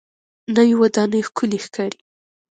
نوې ودانۍ ښکلې ښکاري